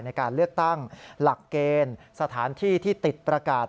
ในการเลือกตั้งหลักเกณฑ์สถานที่ที่ติดประกาศ